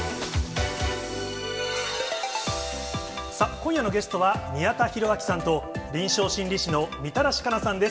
今夜のゲストは、宮田裕章さんと、臨床心理士のみたらし加奈さんです。